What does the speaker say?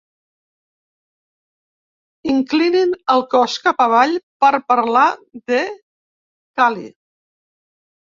Inclinin el cos cap avall per parlar de Cali.